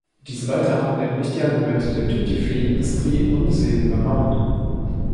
Diese Leute haben nämlich die Argumente der Duty-Free-Industrie unbesehen übernommen.